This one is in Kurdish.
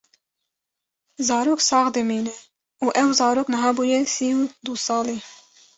Zarok sax dimîne û ew zarok niha bûye sî û du salî